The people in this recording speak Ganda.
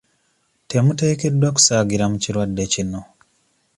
Temuteekeddwa kusaagira mu kirwadde kino.